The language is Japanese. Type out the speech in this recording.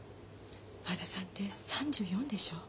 和田さんって３４でしょ。